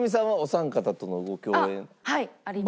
あっはいあります。